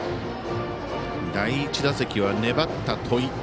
第１打席は粘った戸井。